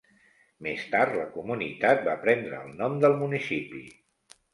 Més tard, la comunitat va prendre el nom del municipi.